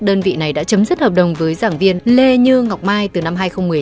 đơn vị này đã chấm dứt hợp đồng với giảng viên lê như ngọc mai từ năm hai nghìn một mươi hai